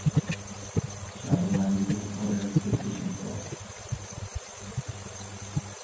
Ich habe meinen Videorecorder erst kürzlich entsorgt.